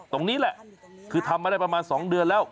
ตรงนี้แหละคือทำมาได้ประมาณ๒เดือนแล้ว